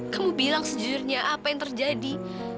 kamu bilang sejujurnya apa yang terjadi